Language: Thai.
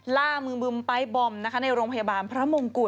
ล่ามือบึมไป๊บอมนะคะในโรงพยาบาลพระมงกุฎ